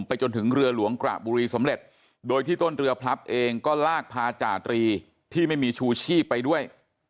จนถึงเรือหลวงกระบุรีสำเร็จโดยที่ต้นเรือพลับเองก็ลากพาจาตรีที่ไม่มีชูชีพไปด้วย